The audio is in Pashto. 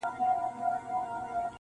نه له چا سره د مړي د غله غم وو-